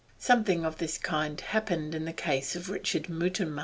Something of this kind happened in the case of Richard Mutimer.